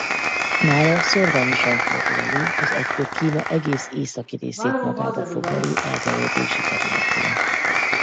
Mára szórványosan fordul elő az egykor Kína egész északi részét magába foglaló elterjedési területén.